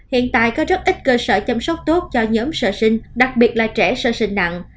hiện tại có rất ít cơ sở chăm sóc tốt cho nhóm sơ sinh đặc biệt là trẻ sơ sinh nặng